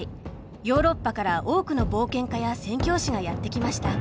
ヨーロッパから多くの冒険家や宣教師がやって来ました。